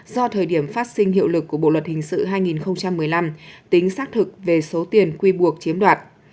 do thời điểm phát sinh hiệu lực của bộ luật hình sự hai nghìn một mươi năm tính xác thực về số tiền quy buộc chiếm đoạt